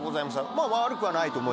まぁ悪くはないと思います。